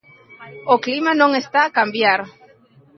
O clima non está a cambiar.